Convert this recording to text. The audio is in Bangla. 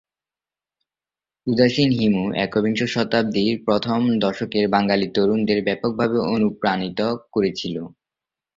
উদাসীন হিমু একবিংশ শতাব্দীর প্রথম দশকের বাঙ্গালী তরুণদের ব্যাপকভাবে অনুপ্রাণিত করেছিল।